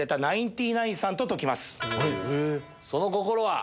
その心は？